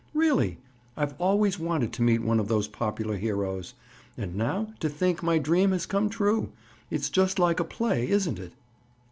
Really, I've always wanted to meet one of those popular heroes. And now to think my dream has come true! It's just like a play, isn't it?"